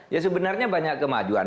ya sebenarnya banyak kemajuan